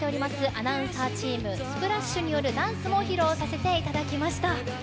アナウンサーチームＳＰＬＡＳＨ！によるダンスも披露させていただきました。